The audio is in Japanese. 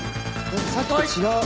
さっきと違う。